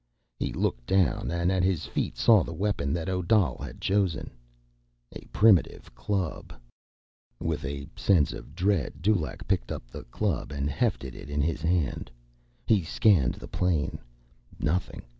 He looked down and at his feet saw the weapon that Odal had chosen. A primitive club. With a sense of dread, Dulaq picked up the club and hefted it in his hand. He scanned the plain. Nothing.